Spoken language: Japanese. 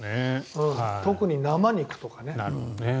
特に生肉とかね。